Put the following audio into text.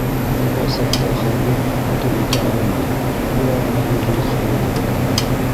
Ундай саҡта Хәбир һатыу итә алмай, тура ғына йөрөрлөк хәле лә булмай.